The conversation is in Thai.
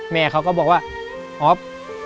แม่เขาก็บอกว่าอ๊อฟ